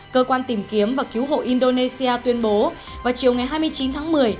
cơ quan tìm kiếm và cứu hộ indonesia tuyên bố vào chiều ngày hai mươi chín tháng một mươi